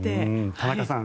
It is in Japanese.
田中さん